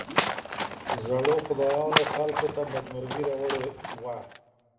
زړو خدايانو خلګو ته بدمرغي راوړې وه.